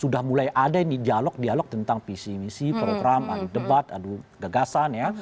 sudah mulai ada yang di dialog dialog tentang pcmc program ada debat ada gagasan ya